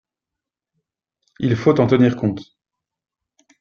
Il faut en tenir compte.